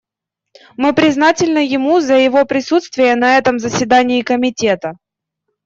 Мы признательны ему за его присутствие на этом заседании Комитета.